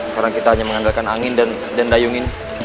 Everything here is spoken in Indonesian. karena kita hanya mengandalkan angin dan dayung ini